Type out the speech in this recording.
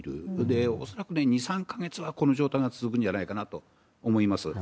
で、恐らく２、３か月はこの状態が続くんじゃないかなと思います。